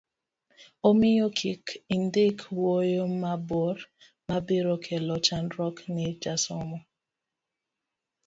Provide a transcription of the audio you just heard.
omiyo kik indik wuoyo mabor mabiro kelo chandruok ni jasomo